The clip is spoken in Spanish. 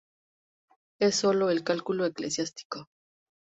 Es solo el "cálculo eclesiástico".